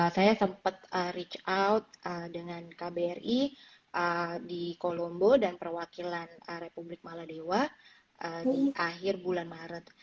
saya sempat reach out dengan kbri di kolombo dan perwakilan republik maladewa di akhir bulan maret